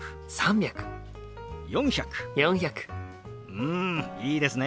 うんいいですね！